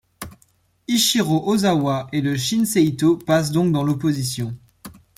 Ichirō Ozawa et le Shinseitō passent donc dans l'opposition.